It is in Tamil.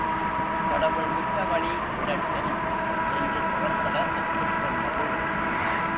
கடவுள் விட்ட வழி விடட்டும் என்று புறப்பட ஒத்துக்கொண்டது.